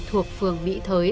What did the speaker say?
thuộc phường mỹ thới